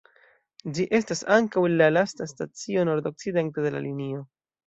Ĝi estas ankaŭ la lasta stacio nordokcidente de la linio.